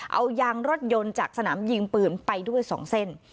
เอายางรถยนต์จากสนามยิงปืนไปด้วย๒เส้น